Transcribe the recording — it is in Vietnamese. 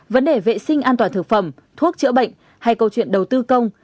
vấn đề vệ sinh an toàn thực phẩm thuốc chữa bệnh hay câu chuyện đầu tư công